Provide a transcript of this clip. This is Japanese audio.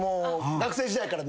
学生時代から？